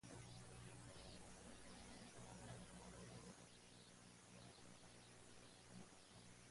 Pertenece al extenso capítulo de la cirugía reparadora o reconstructiva de aquella especialidad.